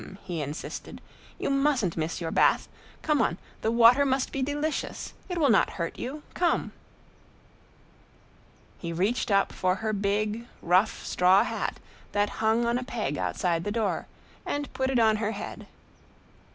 he insisted. "You mustn't miss your bath. Come on. The water must be delicious; it will not hurt you. Come." He reached up for her big, rough straw hat that hung on a peg outside the door, and put it on her head.